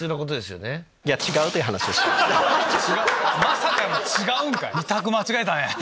まさかの違うんかい！